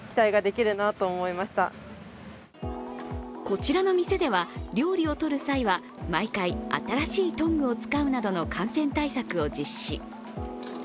こちらの店では、料理をとる際は毎回新しいトングを使うなどの感染対策を実施。